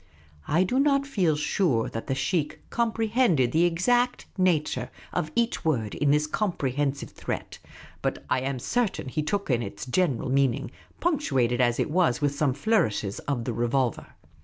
I do not feel sure that the sheikh comprehended the exact nature of each word in this comprehensive threat, but I am certain he took in its general meaning, punctuated as it was with some flourishes of the revolver.